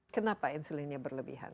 kenapa insulinnya berlebihan